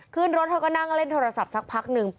ขึ้นรถเธอก็นั่งเล่นโทรศัพท์สักพักหนึ่ง